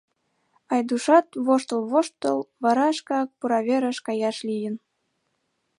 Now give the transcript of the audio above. Айдушат, воштыл-воштыл, вара шкак пураверыш каяш лийын.